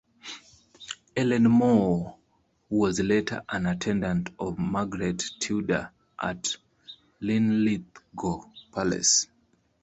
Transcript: Ellen More was later an attendant of Margaret Tudor at Linlithgow Palace.